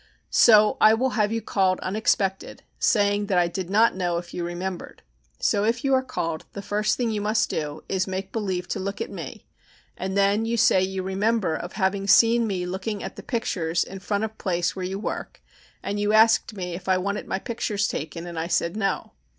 So I will have you called unexpected, saying that I did not know if you remembered. So if you are called the first thing you must do is to make believe to look at me, and then you say you remember of having seen me looking at the pictures in front of place where you work, and you asked me if I wanted my pictures taken and I said no.